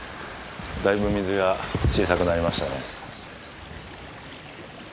だいぶ水が小さくなりましたね。